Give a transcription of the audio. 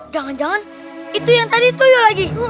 jangan jangan itu yang tadi kuyuk lagi